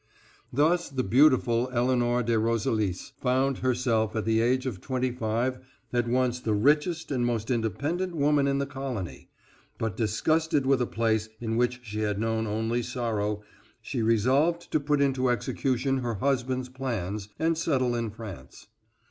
Thus the beautiful Elinor de Roselis found herself at the age of twenty five at once the richest and most independent woman in the colony, but, disgusted with a place in which she had known only sorrow, she resolved to put into execution her husband's plans, and settle in France.